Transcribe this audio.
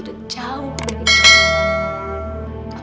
udah jauh dari kamu